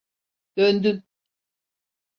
Döndün!